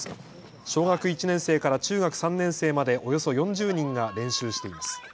小学１年生から中学３年生までおよそ４０人が練習しています。